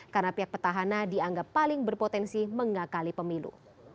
karena pihak petahana dianggap paling berpotensi mengakali pemilu